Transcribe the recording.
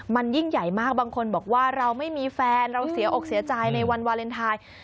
มันยิ่งใหญ่มากบางคนบอกว่าเราไม่มีแฟนเราเสียอกเสียใจในวันวาเลนไทย